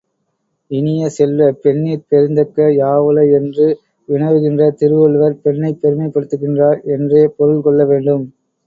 இனிய செல்வ, பெண்ணிற் பெருந்தக்க யாவுள? என்று வினவுகின்ற திருவள்ளுவர் பெண்ணைப் பெருமைப்படுத்துகின்றார் என்றே பொருள் கொள்ள வேண்டும்.